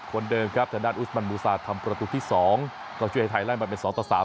คนเดิมครับทางด้านอุสมันมูซาทำประตูที่๒ก็ช่วยให้ไทยไล่มาเป็น๒ต่อ๓